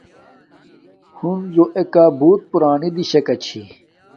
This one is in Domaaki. ہنزو ایکا بوت پُرانی دیشاکا چھی